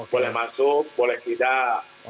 boleh masuk boleh tidak